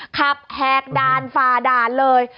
ขับแฮกดาลฟาดาลเลย